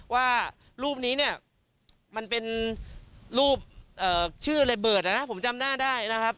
ว่ารูปนี้เนี่ยมันเป็นรูปชื่อระเบิดนะผมจำหน้าได้นะครับ